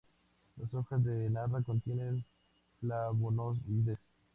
Las hojas de Narra contienen flavonoides.